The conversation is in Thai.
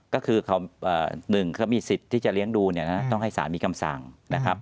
ก็คือ๑เขามีสิทธิ์ที่จะเลี้ยงดูเนี่ยนะต้องให้สารมีคำสั่งนะครับ